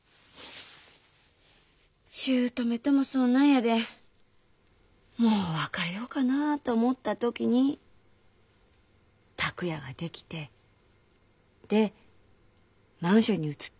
姑ともそんなんやでもう別れようかなあと思った時に拓也ができてでマンションに移ったのよ。